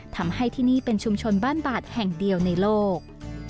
ทำให้ที่นี่เป็นชุมชนบ้านบาดแห่งเดียวในโลก